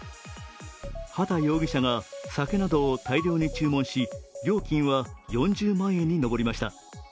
畠容疑者が酒などを大量に注文し、料金は４０万円に上りました。